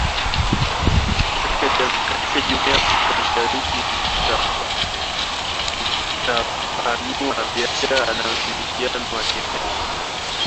katika jamuia ya Afrika mashariki kutapanua biashara na ushirikiano wa kieneo